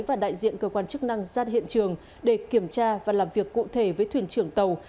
và đại diện cơ quan chức năng ra hiện trường để kiểm tra và làm việc cụ thể với thuyền trưởng tàu